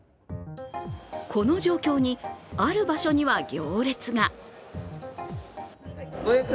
この状況に、ある場所には行列が。